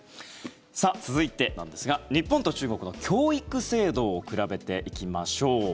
続いてなんですが日本と中国の教育制度を比べていきましょう。